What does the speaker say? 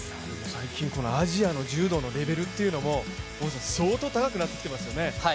最近、アジアの柔道のレベルも相当高くなってきていますよね。